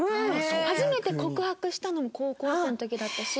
初めて告白したのも高校生の時だったし。